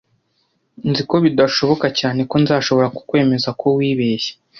Nzi ko bidashoboka cyane ko nzashobora kukwemeza ko wibeshye.